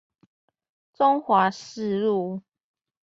中華四路